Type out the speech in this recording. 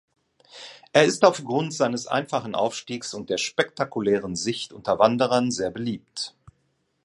Er ist aufgrund seines einfachen Aufstiegs und der spektakulären Sicht unter Wanderern sehr beliebt.